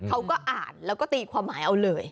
เขาก็อ่านแล้วก็ตีความหมายเอาเลย